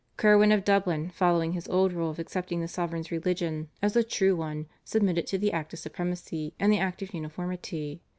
Curwen of Dublin, following his old rule of accepting the sovereign's religion as the true one, submitted to the Act of Supremacy and the Act of Uniformity.